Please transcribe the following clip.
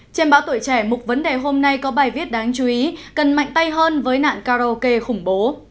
trên báo tuổi trẻ mục vấn đề hôm nay có bài viết đáng chú ý cần mạnh tay hơn với nạn karaoke khủng bố